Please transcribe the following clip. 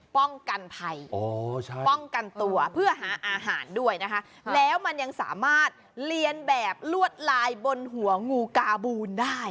ป้องกันภัยป้องกันตัวเพื่อหาอาหารด้วยนะคะแล้วมันยังสามารถเรียนแบบลวดลายบนหัวงูกาบูนได้